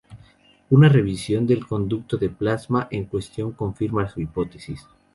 Una revisión del conducto de plasma en cuestión confirma su hipótesis.